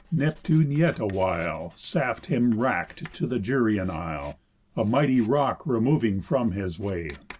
Neptune, yet, awhile Saft him unwrack'd, to the Gyræan isle, A mighty rock removing from his way.